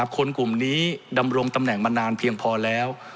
คนกลุ่มนี้ดำรงตำแหน่งมานานเพียงพอแล้ว